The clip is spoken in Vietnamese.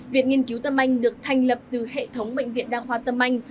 viện nghiên cứu tâm anh được thành lập từ hệ thống bệnh viện đa khoa tâm anh